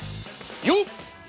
「よっ！